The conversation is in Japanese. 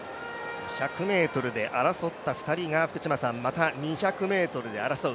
１００ｍで争った２人が、またこの２００で争う。